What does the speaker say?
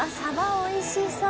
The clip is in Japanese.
おいしそう。